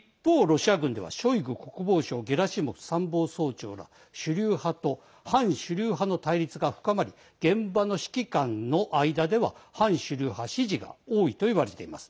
一方、ロシア軍ではショイグ国防相ゲラシモフ参謀総長の主流派と反主流派との対立が深まり、現場の指揮官の間では反主流派支持が多いといわれています。